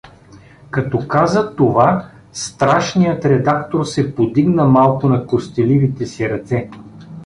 Като каза това, страшният редактор се подигна малко на костеливите си ръце.